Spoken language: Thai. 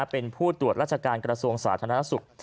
เป็นผู้ตรวจราชการกระทรวงสาธารณสุข